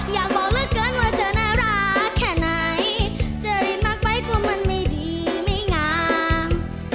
อยากบอกเท่าไหร่ว่าเธอน่ารักแค่ไหนเธอรินบังไกลกว่ามันไม่ดีไม่งาม